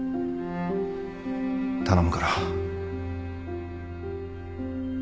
頼むから。